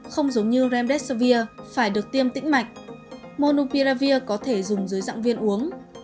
không giống như ramdeservir phải được tiêm tĩnh mạch monupiravir có thể dùng dưới dạng viên uống